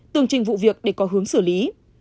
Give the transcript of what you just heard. từng trình vụ việc để có hướng xử lý